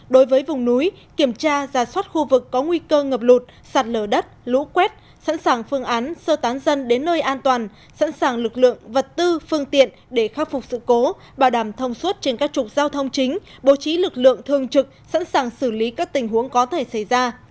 đối với vùng núi kiểm tra giả soát khu vực có nguy cơ ngập lụt sạt lở đất lũ quét sẵn sàng phương án sơ tán dân đến nơi an toàn sẵn sàng lực lượng vật tư phương tiện để khắc phục sự cố bảo đảm thông suốt trên các trục giao thông chính bố trí lực lượng thường trực sẵn sàng xử lý các tình huống có thể xảy ra